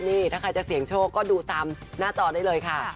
นี่ถ้าใครจะเสี่ยงโชคก็ดูตามหน้าจอได้เลยค่ะ